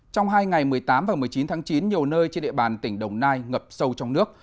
trong hai ngày một mươi tám và một mươi chín tháng chín nhiều nơi trên địa bàn tỉnh đồng nai ngập sâu trong nước